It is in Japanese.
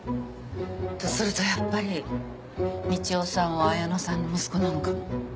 とするとやっぱり道夫さんは綾乃さんの息子なのかも。